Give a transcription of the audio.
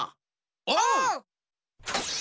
おう！